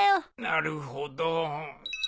なるほど。